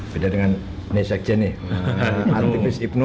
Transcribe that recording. beda dengan nesak jene aktivis ipnu